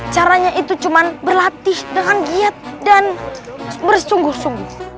caranya itu cuma berlatih dengan giat dan bersungguh sungguh